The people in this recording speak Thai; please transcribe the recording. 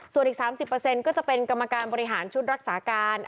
ส่วนอีก๓๐ก็จะเป็นกรรมการบริหารชุดรักษาการ